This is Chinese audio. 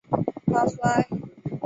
巴苏埃。